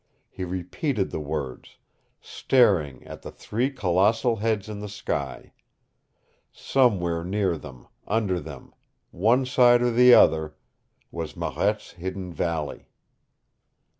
He repeated the words, staring at the three colossal heads in the sky. Somewhere near them, under them, one side or the other was Marette's hidden valley!